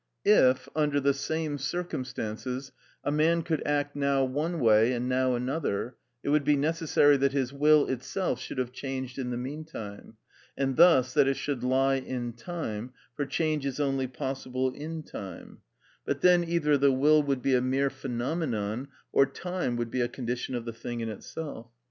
If, under the same circumstances, a man could act now one way and now another, it would be necessary that his will itself should have changed in the meantime, and thus that it should lie in time, for change is only possible in time; but then either the will would be a mere phenomenon, or time would be a condition of the thing in itself.